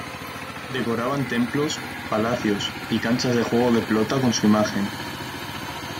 Decoraban templos, palacios y canchas de juego de pelota con su imagen.